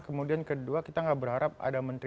kemudian kedua kita gak berharap ada menteri